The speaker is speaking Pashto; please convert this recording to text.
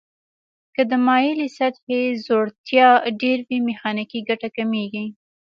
که د مایلې سطحې ځوړتیا ډیر وي میخانیکي ګټه کمیږي.